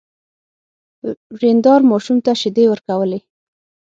ورېندار ماشوم ته شيدې ورکولې.